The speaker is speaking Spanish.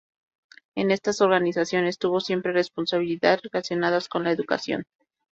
En estas organizaciones tuvo siempre responsabilidades relacionadas con la educación.